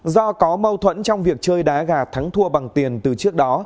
do có mâu thuẫn trong việc chơi đá gà thắng thua bằng tiền từ trước đó